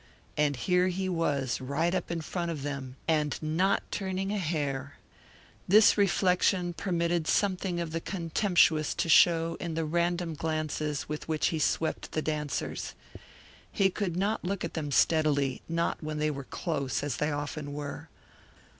And here he was, right up in front of them, and not turning a hair. This reflection permitted something of the contemptuous to show in the random glances with which he swept the dancers? He could not look at them steadily, not when they were close, as they often were.